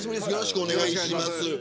よろしくお願いします。